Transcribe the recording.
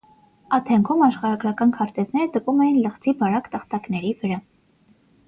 Աթենքում աշխարհագրական քարտեզները տպում էին լղձի բարակ տախտակների վրա։